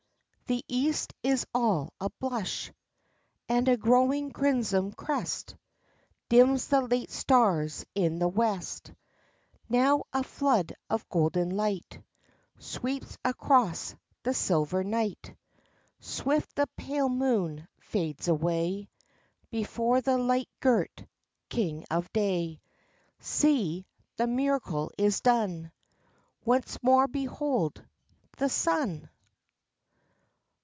the East is all a blush; And a growing crimson crest Dims the late stars in the west; Now, a flood of golden light Sweeps across the silver night, Swift the pale moon fades away Before the light girt King of Day, See! the miracle is done! Once more behold! The Sun!